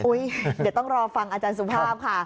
เดี๋ยวต้องรอฟังอาจารย์สุภาพค่ะ